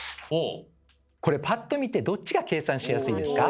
パッと見てどっちが計算しやすいですか？